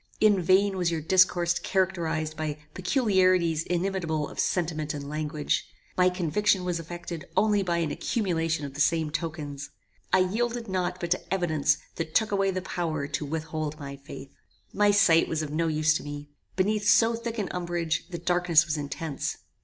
In vain was your discourse characterized by peculiarities inimitable of sentiment and language. My conviction was effected only by an accumulation of the same tokens. I yielded not but to evidence which took away the power to withhold my faith. "My sight was of no use to me. Beneath so thick an umbrage, the darkness was intense.